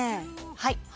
はい。